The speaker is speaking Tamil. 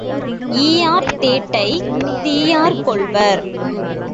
ஈயார் தேட்டைத் தீயார் கொள்வர்.